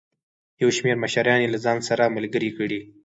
یو شمېر مشران یې له ځان سره ملګري کړي.